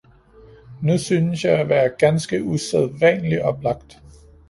nu synes jeg at være ganske usædvanlig oplagt!